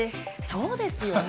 そうですよね。